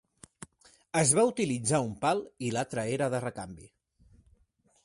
Es va utilitzar un pal i l'altre era de recanvi.